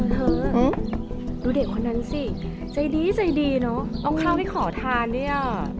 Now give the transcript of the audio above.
เถอะดูเด็กคนนั้นสิใจดีใจดีเนอะเอาข้าวให้ขอทานเนี่ย